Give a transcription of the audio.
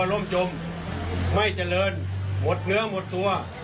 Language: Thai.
ร่มจมไม่เจริญหมดเนื้อหมดตัว